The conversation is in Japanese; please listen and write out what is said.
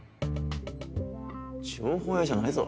情報屋じゃないぞ。